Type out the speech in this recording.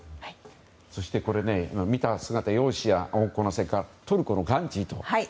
そして、見た姿容姿などそこからトルコのガンジーとね。